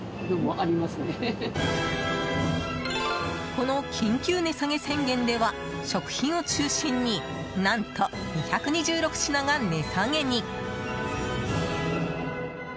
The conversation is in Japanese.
この緊急値下げ宣言では食品を中心に何と２２６品が値下げに。